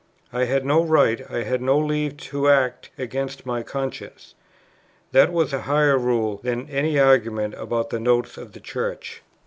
I had no right, I had no leave, to act against my conscience. That was a higher rule than any argument about the Notes of the Church.